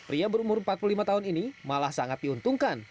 pria berumur empat puluh lima tahun ini malah sangat diuntungkan